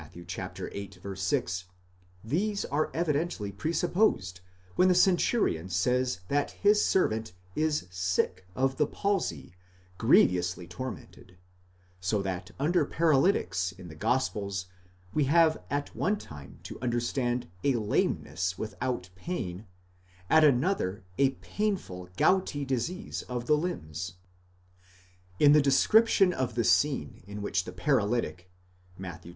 viii. 6) these are evidently presupposed when the centurion says that his servant is sick of the padsy, grievously tormented, βέβληται παραλυτικὸς, δεινῶς βασανιζόμενος ; so that under paralytics in the gospels we have at one time to understand a lameness without pain, at another a painful, gouty disease of the limbs." In the description of the scene in which the paralytic (Matt.